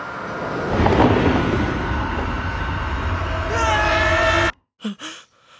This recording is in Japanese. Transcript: うわ！